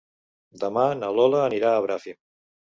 Demà na Lola anirà a Bràfim.